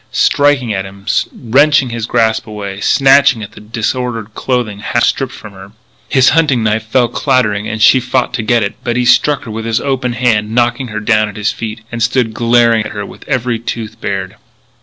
striking at him, wrenching his grasp away, snatching at the disordered clothing half stripped from her. His hunting knife fell clattering and she fought to get it, but he struck her with his open hand, knocking her down at his feet, and stood glaring at her with every tooth bared.